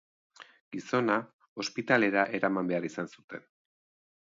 Gizona ospitalera eraman behar izan zuten.